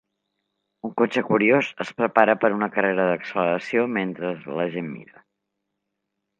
Un cotxe curiós es prepara per a una carrera d'acceleració mentre la gent mira.